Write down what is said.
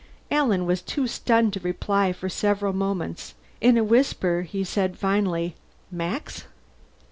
Alan was too stunned to reply for several moments. In a whisper he said finally, "Max?"